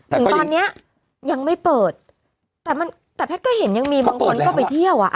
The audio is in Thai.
อืมถึงตอนนี้ยังไม่เปิดแต่แพทย์ก็เห็นยังมีบางคนก็ไปเที่ยวอะ